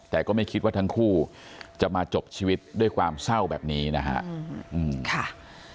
แต่ก็ไม่คิดว่าทั้งคู่จะมาจบชีวิตด้วยความเศร้าแบบนี้นะฮะ